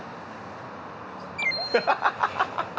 ハハハハハ！